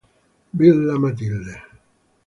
Villa Matilde